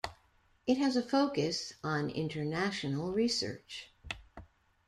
It has a focus on international research.